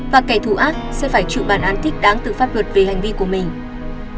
và kẻ thù ác sẽ phải trự bàn án thích đáng từ pháp luật về hành vi của mình